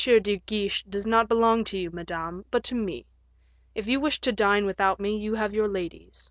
de Guiche does not belong to you, Madame, but to me. If you wish to dine without me you have your ladies.